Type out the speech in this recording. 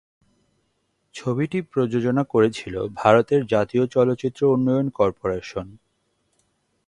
ছবিটি প্রযোজনা করেছিল ভারতের জাতীয় চলচ্চিত্র উন্নয়ন কর্পোরেশন।